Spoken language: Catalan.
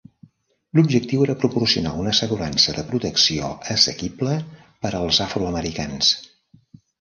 L'objectiu era proporcionar una assegurança de protecció assequible per als afro-americans.